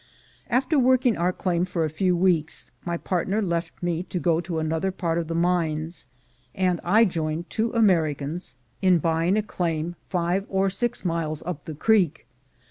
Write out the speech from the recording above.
After working our claim for a few* weeks, my partner left me to go to another part of the mines, and I joined two Americans in buying a claim five 156 THE GOLD HUNTERS or six miles up the creek.